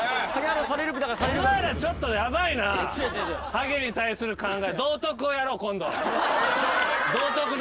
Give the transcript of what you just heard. ハゲに対する考え。